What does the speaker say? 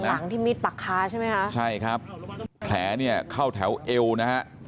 หลังที่มิดปักคาใช่ไหมคะใช่ครับแผลเนี่ยเข้าแถวเอวนะฮะ